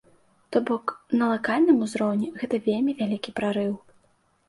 То бок, на лакальным узроўні гэта вельмі вялікі прарыў.